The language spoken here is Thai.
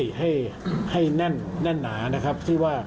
ทุกมิติให้แน่นแน่นหนานะครับ